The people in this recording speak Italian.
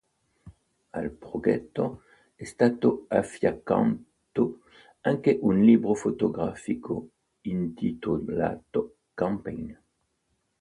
Al progetto è stato affiancato anche un libro fotografico intitolato "Campaign".